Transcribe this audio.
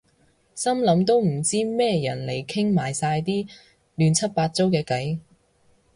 心諗都唔知咩人嚟傾埋晒啲亂七八糟嘅偈